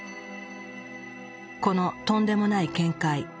このとんでもない見解。